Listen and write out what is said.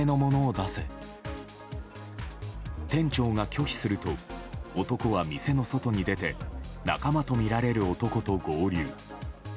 店長が拒否すると男は店の外に出て仲間とみられる男と合流。